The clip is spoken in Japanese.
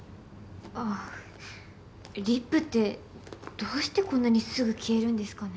ああリップってどうしてこんなにすぐ消えるんですかね？